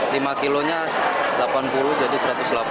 bagasinya rp delapan puluh jadi rp satu ratus delapan puluh